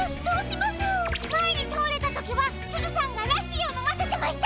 まえにたおれたときはすずさんがラッシーをのませてました。